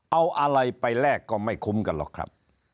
เอาอะไรไปแลกก็ไม่คุ้มกันหรอกครับ